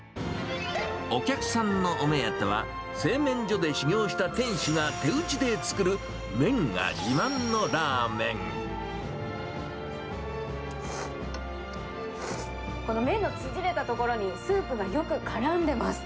お客さんのお目当ては、製麺所で修業した店主が手打ちで作る、この麺の縮れたところにスープがよくからんでます。